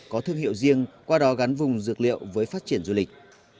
có thương hiệu riêng qua đó gắn vùng dược liệu với phát triển du lịch